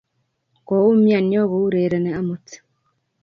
Koumian yokourereni amut